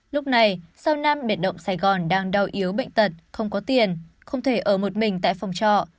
lúc này sau năm biệt động sài gòn đang đau yếu bệnh tật không có tiền không thể ở một mình tại phòng trọ